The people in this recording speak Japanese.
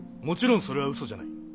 もちろんそれは嘘じゃない。